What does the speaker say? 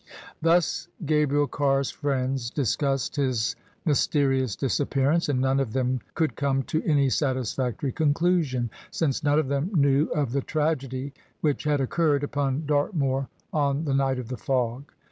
Thus Gabriel Carr's friends discussed his mjrsterious dis appearance, and none of them could come to any satisfactory conclusion, since none of them knew of the tragedy which had occurred upon Dartmoor on the night of the fog.